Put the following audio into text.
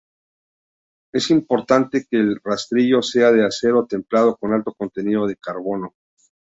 Es importante que el rastrillo sea de acero templado con alto contenido de carbono.